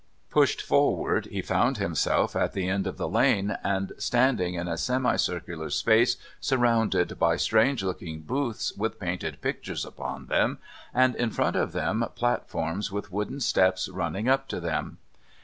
Pushed forward, he found himself at the end of the lane and standing in a semi circular space surrounded by strange looking booths with painted pictures upon them, and in front of them platforms with wooden steps running up to them.